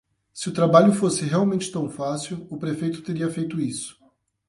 Se o trabalho fosse realmente tão fácil, o prefeito teria feito isso.